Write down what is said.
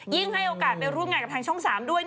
ให้โอกาสไปร่วมงานกับทางช่อง๓ด้วย